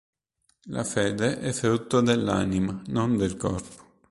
La fede è frutto dell'anima, non del corpo.